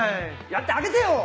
やってあげてよ！